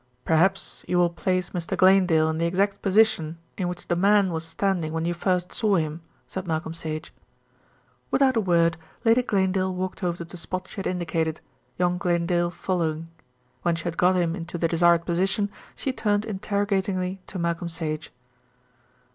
"Perhaps you will place Mr. Glanedale in the exact position in which the man was standing when you first saw him," said Malcolm Sage. Without a word Lady Glanedale walked over to the spot she had indicated, young Glanedale following. When she had got him into the desired position she turned interrogatingly to Malcolm Sage.